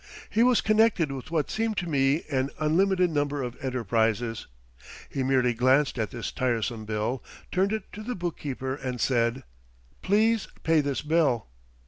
He was connected with what seemed to me an unlimited number of enterprises. He merely glanced at this tiresome bill, turned to the bookkeeper, and said: "Please pay this bill."